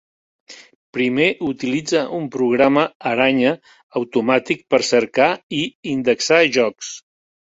Primer utilitza un programa aranya automàtic per cercar i indexar jocs.